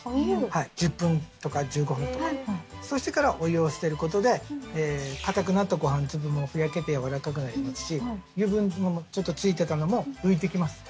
そうしてからお湯を捨てることで硬くなったご飯粒もふやけて軟らかくなりますし油分もちょっと付いてたのも浮いて来ます。